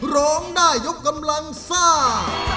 ร้องได้ยกกำลังซ่า